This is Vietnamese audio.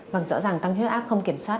vâng rõ ràng tăng huyết áp không kiểm soát